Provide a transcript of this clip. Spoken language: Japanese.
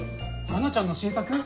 花ちゃんの新作？